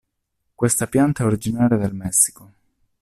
Questa pianta è originaria del Messico.